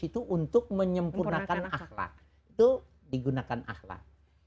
itu untuk menyempurnakan akhlaq itu digunakan akhlaq